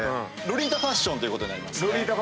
ロリータファッションということになります。